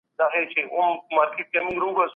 رسول الله ص د انسانیت لارښود دی.